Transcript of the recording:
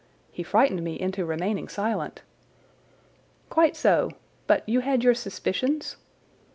He frightened me into remaining silent." "Quite so. But you had your suspicions?"